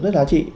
rất giá trị